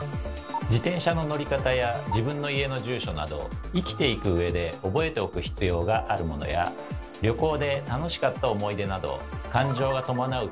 「自転車の乗り方」や「自分の家の住所」など生きていくうえで覚えておく必要があるものや「旅行で楽しかった思い出」など感情がともなう